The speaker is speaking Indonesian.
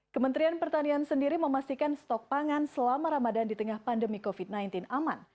kementerian pertanian sendiri memastikan stok pangan selama ramadan di tengah pandemi covid sembilan belas aman